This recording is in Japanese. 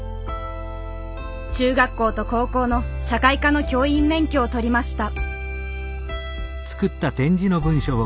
中学校と高校の社会科の教員免許を取りました。